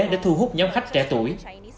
để thu hút nhóm khách trẻ tuổi